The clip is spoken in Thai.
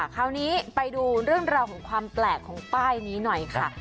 คราวนี้ไปดูเรื่องราวของความแปลกของป้ายนี้หน่อยค่ะ